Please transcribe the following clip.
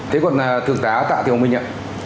thế còn thượng tá tạ thi hồng minh ạ